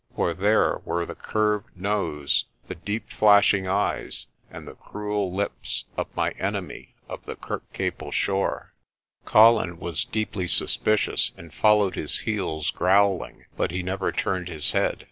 For there were the curved nose, the deep flashing eyes and the cruel lips of my enemy of the Kirkcaple shore. Colin was deeply suspicious and followed his heels growl ing, but he never turned his head.